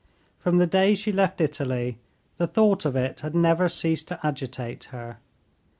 From the day she left Italy the thought of it had never ceased to agitate her.